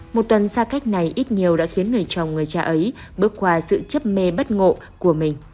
một tuần xa cách này ít nhiều đã khiến người chồng người cha ấy bước qua sự chấp mê bất ngộ của mình